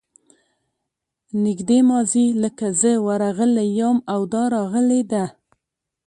نږدې ماضي لکه زه ورغلی یم او دا راغلې ده.